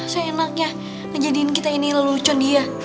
senangnya ngejadiin kita ini lelucon dia